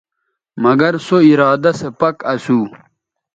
مگر سو ارادہ سو پَک اسو